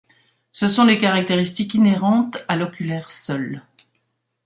Ce sont les caractéristiques inhérentes à l'oculaire seul.